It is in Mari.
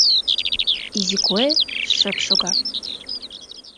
Изи куэ шып шога